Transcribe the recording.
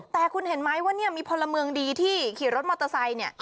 แต่คุณเห็นไหมว่าเนี่ยมีพลเมืองดีที่ขี่รถมอเตอร์ไซค์เนี่ย